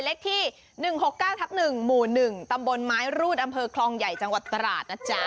เลขที่๑๖๙ทับ๑หมู่๑ตำบลไม้รูดอำเภอคลองใหญ่จังหวัดตราดนะจ๊ะ